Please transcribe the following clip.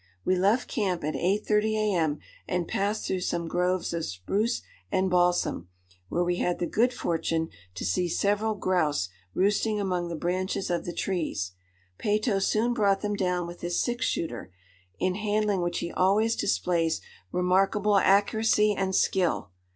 We left camp at 8:30 A.M. and passed through some groves of spruce and balsam, where we had the good fortune to see several grouse roosting among the branches of the trees. Peyto soon brought them down with his six shooter, in handling which he always displays remarkable accuracy and skill.